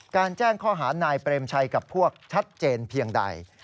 แจ้งข้อหานายเปรมชัยกับพวกชัดเจนเพียงใด